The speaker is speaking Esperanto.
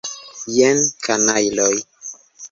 Jen, kanajloj!